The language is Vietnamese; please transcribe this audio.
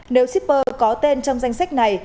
nếu shipper có tên trong danh sách này